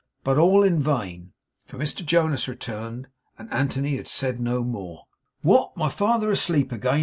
But all in vain, for Mr Jonas returned, and Anthony had said no more. 'What! My father asleep again?